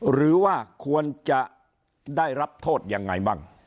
หรือว่าควรจะได้รับโทษยังไงบ้าง